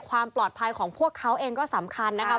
ความปลอดภัยของพวกเขาเองก็สำคัญนะครับ